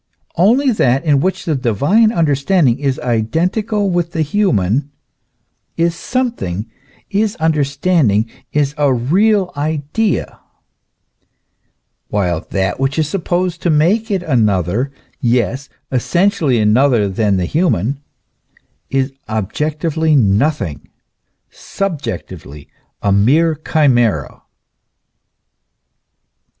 Only that in which the divine understanding is identical with the human, is something, is understanding, is a real idea ; while that which is supposed to make it another, yes, essentially another than the human, is objectively nothing, subjectively a mere chimera.